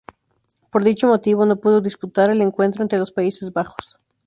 Por dicho motivo, no pudo disputar el encuentro ante los Países Bajos.